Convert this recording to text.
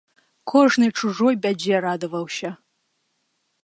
Кожны чужой бядзе радаваўся.